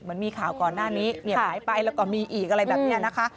เหมือนมีข่าวก่อนหน้านี้เงียบหายไปแล้วก็มีอีกอะไรแบบนี้นะคะ